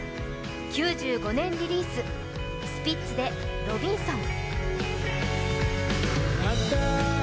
９５年リリース、スピッツで「ロビンソン」。